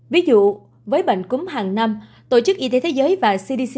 ví dụ với bệnh cúm hàng năm tổ chức y tế thế giới và cdc